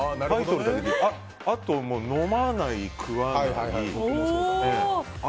あと、飲まない食わない。